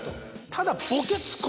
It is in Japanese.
ただ。